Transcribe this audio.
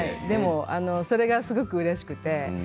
でもそれがすごくうれしくて。